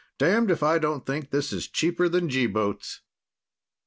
Damned if I don't think this is cheaper than G boats!"